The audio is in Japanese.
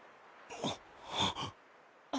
あっ。